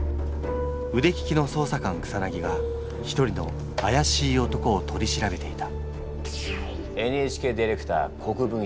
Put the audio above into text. うでききの捜査官草が一人のあやしい男を取り調べていたＮＨＫディレクター国分拓。